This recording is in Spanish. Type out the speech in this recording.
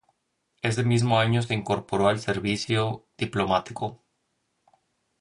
Ese mismo año se incorporó al servicio diplomático.